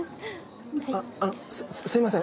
あっあのすみません。